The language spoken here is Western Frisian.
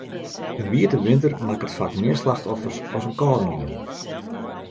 In wiete winter makket faak mear slachtoffers as in kâldenien.